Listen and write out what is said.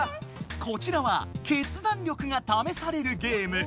こちらは決断力がためされるゲーム。